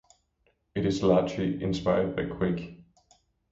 It is largely inspired by Quake.